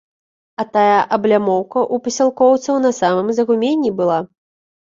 А тая аблямоўка ў пасялкоўцаў на самым загуменні была.